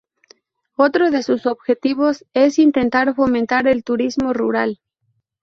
Otro de sus objetivos es intentar fomentar el turismo rural.